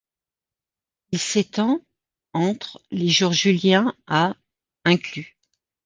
Il s'étend entre les jours juliens à inclus.